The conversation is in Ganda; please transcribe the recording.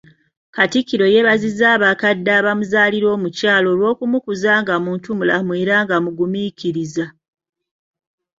Kattikiro yeebazizza abakadde abamuzaalira omukyala olw’okumukuza nga muntu mulamu era omugumiikiriza.